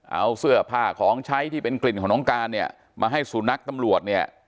เอาเสื้อผ้าของใช้ที่เป็นกลิ่นของน้องการเนี่ยมาให้สุนัขตำรวจเนี่ย